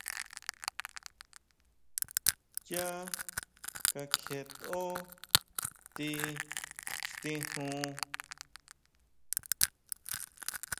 Yá kakjietʼó ti xtijun.